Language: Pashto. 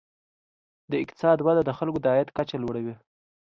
د اقتصاد وده د خلکو د عاید کچه لوړوي.